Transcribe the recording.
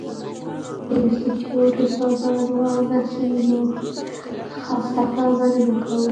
د انسټیټوت استادانو او محصلینو څخه مننه کوو.